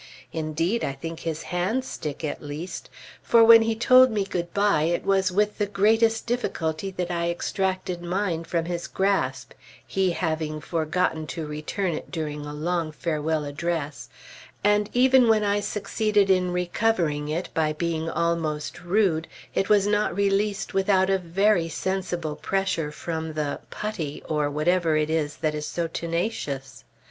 Indeed, I think his hands stick, at least; for when he told me good bye, it was with the greatest difficulty that I extracted mine from his grasp (he having forgotten to return it during a long farewell address), and even when I succeeded in recovering it, by being almost rude, it was not released without a very sensible pressure from the putty, or whatever it is that is so tenacious.